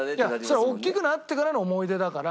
それは大きくなってからの思い出だから